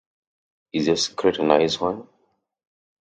Is your secret a nice one?